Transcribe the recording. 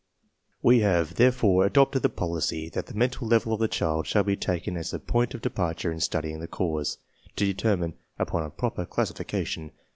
HfVe have, therefore, adopted the policy that the V 34 TESTS AND SCHOOL REORGANIZATION mental level of the child shall be taken as the point of departure in studying the case, to determine upon a proper classification.